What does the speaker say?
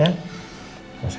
ya makasih ya